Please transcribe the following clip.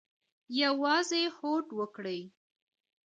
یوازې هوډ وکړئ